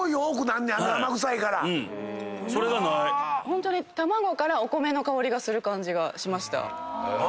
ホントに卵からお米の香りがする感じがしました。